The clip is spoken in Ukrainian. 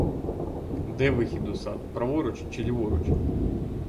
Де вихід у сад — праворуч чи ліворуч?